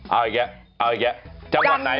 เอาอีกแค่เอาอีกแค่จังหวัดไหนอะไรนะ